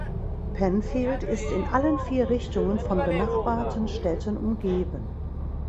Penfield ist in allen vier Richtungen von benachbarten Städten umgeben.